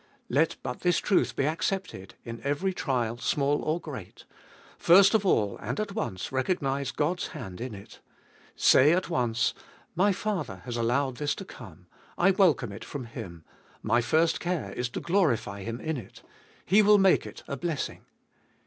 Let but this truth be accepted, in every trial, small or great : first of all and at once recognise God's hand in it. Say at once : My Father has allowed this to come ; I welcome it from Him ; my first care is 488 m>e Ibolieet of ail to glorify Him in it; He will make it a blessing.